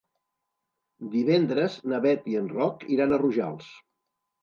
Divendres na Beth i en Roc iran a Rojals.